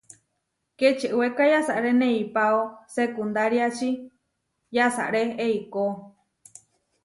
Kečewéka yasaré neipáo sekundáriači, yasaré eikó.